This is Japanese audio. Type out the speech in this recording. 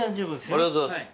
ありがとうございます。